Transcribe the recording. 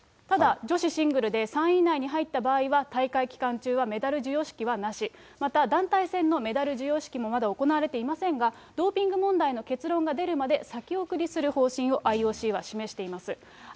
ただ、女子シングルで３位以内に入った場合は、大会期間中はメダル授与式はなし、また団体戦のメダル授与式もまだ行われていませんが、ドーピング問題の結論が出るまで先送りする方針をＩＯＣは示しています。